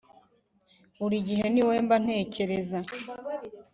buri gihe ni wowe mba ntekereza